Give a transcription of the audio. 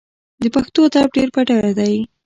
د پښتو ادب ډیر بډایه دی.